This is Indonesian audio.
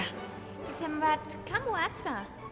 kita mau makan di tempat kamu aja